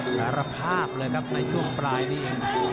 สารภาพเลยครับในช่วงปลายนี้